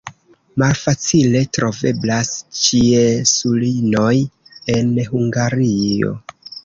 Malfacile troveblas ĉiesulinoj en Hungario.